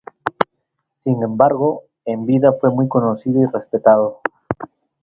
Sin embargo, en vida fue muy conocido y respetado.